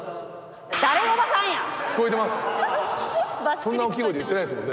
そんなおっきい声で言ってないですもんね。